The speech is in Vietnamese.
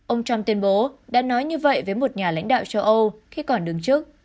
ông trump tuyên bố đã nói như vậy với một nhà lãnh đạo châu âu khi còn đứng trước